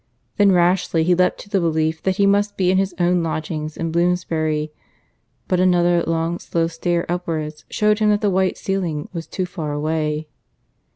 Then rashly he leapt to the belief that he must be in his own lodgings in Bloomsbury; but another long slow stare upwards showed him that the white ceiling was too far away.